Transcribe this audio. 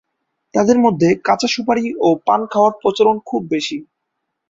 তাদের মধ্যে কাঁচা সুপারি ও পান খাওয়ার প্রচলন খুব বেশি।